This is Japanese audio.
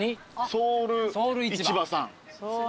ソウル市場さん。